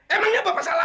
emangnya bapak salah apa